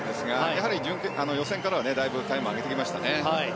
やはり予選からはだいぶタイムを上げてきました。